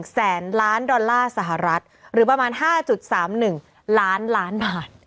แสนล้านดอลลาร์สหรัฐหรือประมาณ๕๓๑ล้านล้านบาท